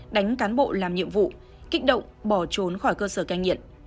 đánh cán bộ làm nhiệm vụ kích động bỏ trốn khỏi cơ sở cai nghiện